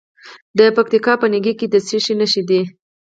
د پکتیکا په نکې کې د څه شي نښې دي؟